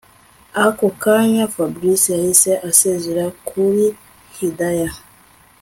Ako kanya Fabric yahise asezera kuri Hidaya